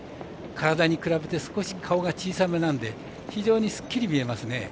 体に比べて少し顔が小さめなんで非常にすっきり見えますね。